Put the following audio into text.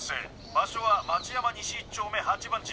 場所は町山西１丁目８番地